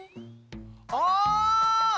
あ！